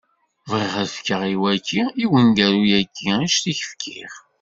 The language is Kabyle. Bɣiɣ ad fkeɣ i wagi, i uneggaru-agi, annect i k-fkiɣ.